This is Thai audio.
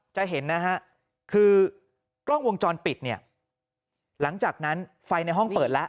จะเห็นนะฮะคือกล้องวงจรปิดเนี่ยหลังจากนั้นไฟในห้องเปิดแล้ว